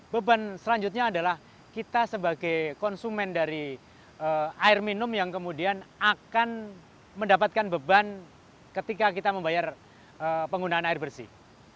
beban selanjutnya adalah kita sebagai konsumen dari air minum yang kemudian akan mendapatkan beban ketika kita membayar penggunaan air bersih